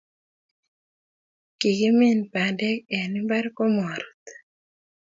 Kikimin bandek en imbar ko marut